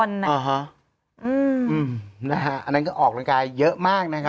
อ่าฮะอืมอืมนะฮะอันนั้นก็ออกรังกายเยอะมากนะครับ